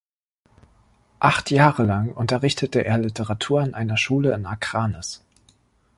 Acht Jahre lang unterrichtete er Literatur an einer Schule in Akranes.